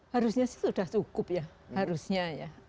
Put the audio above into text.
harusnya sih sudah cukup ya harusnya ya